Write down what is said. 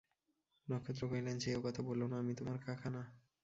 নক্ষত্র কহিলেন, ছি, ও কথা বোলো না, আমি তোমার কাকা না।